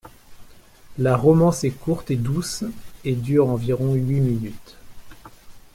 La romance est courte et douce et dure environ huit minutes.